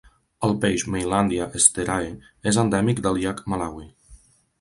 El peix "maylandia estherae" és endèmic del llac Malawi.